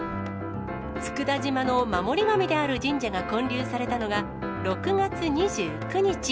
佃島の守り神である神社が建立されたのが、６月２９日。